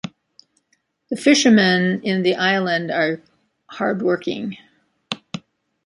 The fishermen in the island are hard working.